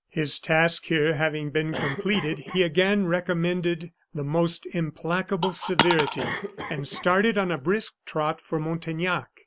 His task here having been completed, he again recommended the most implacable severity, and started on a brisk trot for Montaignac.